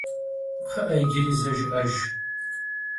Kxhı'e, yicıri ze jjı'ejj!